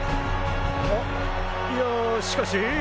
あっいやしかし。